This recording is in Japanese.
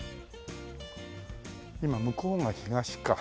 今向こうが東か。